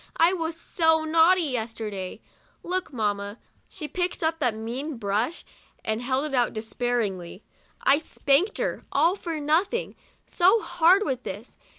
I was so naughty, yesterday. Look, mamma" — she picked up that mean brush, and held it out despairingly —" I spanked her, all for nothing, so hard with this.